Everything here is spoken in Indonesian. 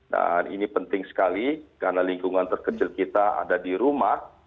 dan ini penting sekali karena lingkungan terkecil kita ada di rumah